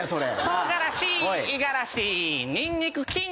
「唐辛子五十嵐ニンニク筋肉」